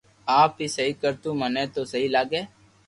آپ ھي سھي ڪر تو مني تو سھي لاگي